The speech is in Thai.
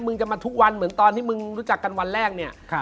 จะมาทุกวันเหมือนตอนที่มึงรู้จักกันวันแรกเนี่ย